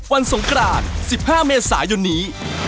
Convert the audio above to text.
สงกราน๑๕เมษายนนี้